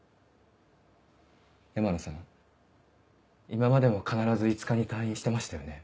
今までも必ず５日に退院してましたよね？